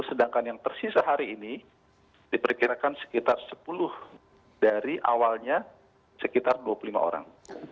sedangkan yang tersisa hari ini diperkirakan sekitar sepuluh dari awalnya sekitar dua puluh lima orang